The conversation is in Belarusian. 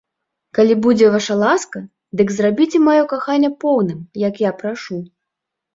Калі будзе ваша ласка, дык зрабіце маё каханне поўным, як я прашу.